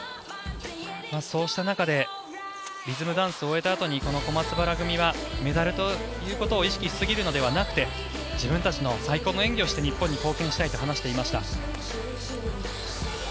そうした中でリズムダンスを終えたあとにこの小松原組はメダルということを意識しすぎるのではなくて自分たちの最高の演技をして日本に貢献したいと話していました。